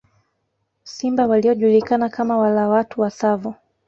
Simba waliojulikana kama wala watu wa Tsavo